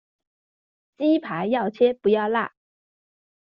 雞排要切不要辣